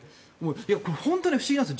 これ、本当に不思議なんです。